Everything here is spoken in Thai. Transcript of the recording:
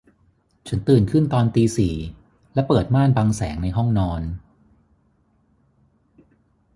ฉันตื่นขึ้นตอนตีสี่และเปิดม่านบังแสงในห้องนอน